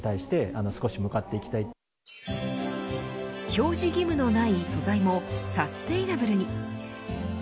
表示義務のない素材もサステイナブルに。